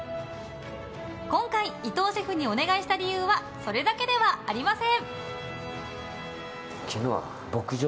今回、伊藤シェフにお願いした理由はそれだけではありません。